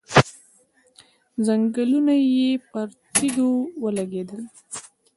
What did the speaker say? ځنګنونه یې پر تيږو ولګېدل.